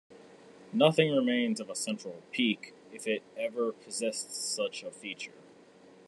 Nothing remains of a central peak, if it ever possessed such a feature.